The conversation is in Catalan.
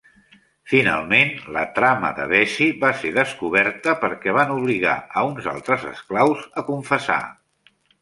Finalment, la trama de Vesey va ser descoberta perquè van obligar a uns altres esclaus a confessar.